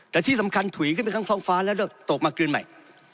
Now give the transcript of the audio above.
แต่ที่สำคัญถุยขึ้นไปข้างท้องฟ้าแล้วตกมากลืนใหม่